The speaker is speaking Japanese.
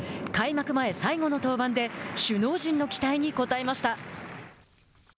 開幕前最後の登板で首脳陣の期待に応えました。